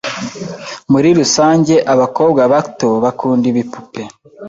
Muri rusange, abakobwa bato bakunda ibipupe.